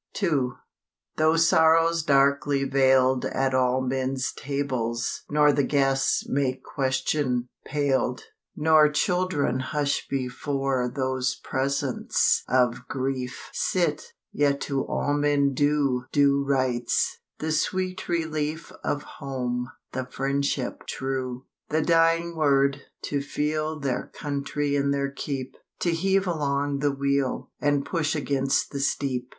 II Tho' sorrows darkly veiled At all men's tables (nor The guests make question, paled, Nor children hush before Those presences of grief) Sit, yet to all men due Due rights; the sweet relief Of home; the friendship true; The dying word; to feel Their country in their keep; To heave along the wheel, And push against the steep.